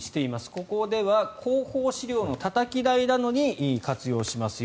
ここでは広報資料のたたき台などに活用しますよ